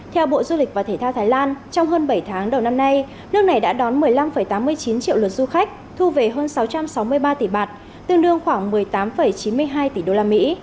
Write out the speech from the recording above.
theo bộ du lịch và thể thao thái lan trong hơn bảy tháng đầu năm nay nước này đã đón một mươi năm tám mươi chín triệu lượt du khách thu về hơn sáu trăm sáu mươi ba tỷ bạt tương đương khoảng một mươi tám chín mươi hai tỷ đô la mỹ